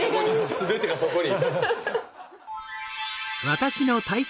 全てがそこに！